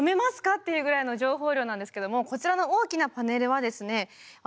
っていうぐらいの情報量なんですけどもこちらの大きなパネルはですねうわ